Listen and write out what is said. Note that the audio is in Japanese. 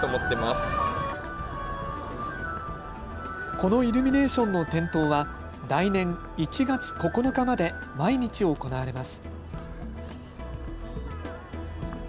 このイルミネーションの点灯は来年１月９日まで毎日行われます。